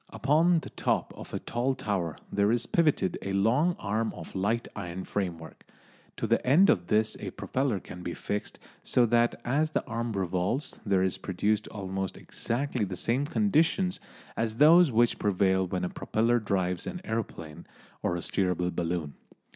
Upon the top of a tall tower there is pivoted a long arm of light iron framework. To the end of this a propeller can be fixed, so that as the arm revolves there is produced almost exactly the same conditions as those which prevail when a propeller drives an aeroplane or steerable balloon.